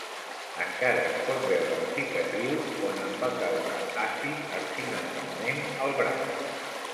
Encara es pot veure la cicatriu on em va caure àcid accidentalment al braç.